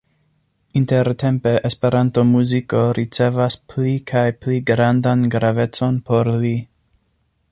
Intertempe Esperanto-muziko ricevas pli kaj pli grandan gravecon por li.